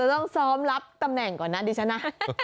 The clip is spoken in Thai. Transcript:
ต้องซ้อมรับตำแหน่งก่อนนะดิฉันนะ